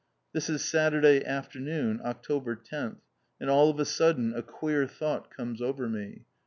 This is Saturday afternoon, October 10th, and all of a sudden a queer thought comes over me.